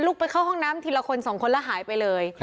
ไปเข้าห้องน้ำทีละคนสองคนแล้วหายไปเลย